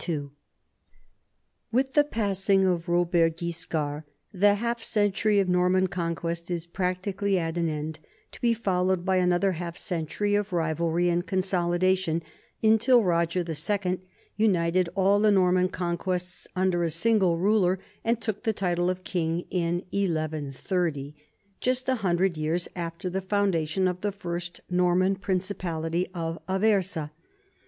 1 With the passing of Robert Guiscard the half century of Norman conquest is practically at an end, to be fol lowed by another half century of rivalry and consolida tion, until Roger II united all the Norman conquests under a single ruler and took the title of king in 1130, just a hundred years after the foundation of the first Norman principality at Aversa.